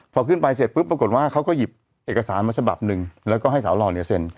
พอขึ้นไปเสร็จปุ๊บปรากฏว่าเขาก็หยิบเอกสารมาฉบับหนึ่งแล้วก็ให้สาวหล่อเนี่ยเซ็น